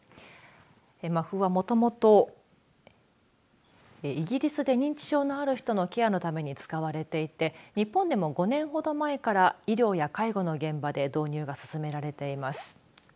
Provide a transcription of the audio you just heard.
マフはもともとイギリスで認知症のある人のケアのために使われていて日本でも５年ほど前から医療や介護の現場で導入が進められています。